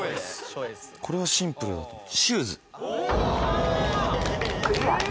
「これはシンプルだと思う」